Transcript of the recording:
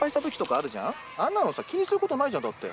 あんなの気にすることないじゃん！